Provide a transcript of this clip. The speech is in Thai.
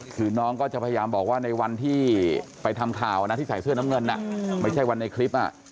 คือน้องก็จะพยายามบอกว่าในวันที่ไปทำข่าวนะที่ใส่เสื้อน้ำเงินไม่ใช่วันในคลิป